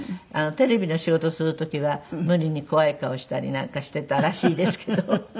テレビの仕事をする時は無理に怖い顔したりなんかしていたらしいですけど。